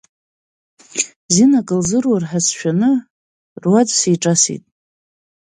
Зина акы лзырур ҳәа сшәаны, руаӡә сиҿасит.